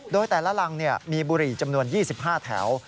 โดยแต่ละรังมีบุหรี่จำนวน๒๕แถว